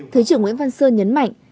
thứ trưởng nguyễn văn sơn nhấn mạnh